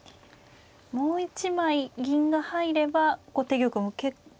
もう一枚銀が入れば後手玉も結構。